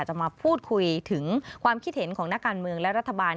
จะมาพูดคุยถึงความคิดเห็นของนักการเมืองและรัฐบาล